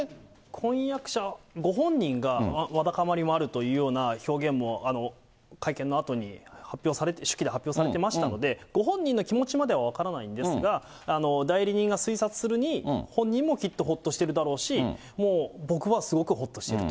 婚約者ご本人が、わだかまりもあるというような表現も会見のあとに手記で発表されてましたので、ご本人の気持ちまでは分からないんですが、代理人が推察するに、本人もきっとほっとしてるだろうし、もう僕はすごくほっとしていると。